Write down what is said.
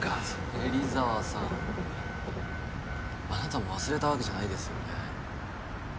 芹沢さんあなたも忘れたわけじゃないですよね？